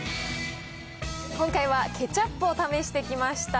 今回はケチャップを試してきました。